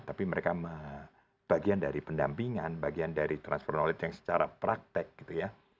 tapi mereka bagian dari pendampingan bagian dari transfer knowledge yang secara praktek gitu ya